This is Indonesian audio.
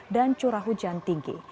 dan curah hujan tinggi